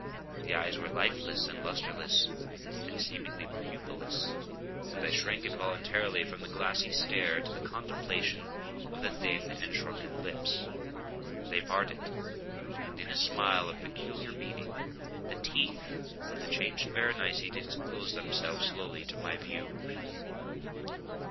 The eyes were lifeless, and lustreless, and seemingly pupilless, and I shrank involuntarily from their glassy stare to the contemplation of the thin and shrunken lips. They parted; and in a smile of peculiar meaning, the teeth of the changed Berenice disclosed themselves slowly to my view.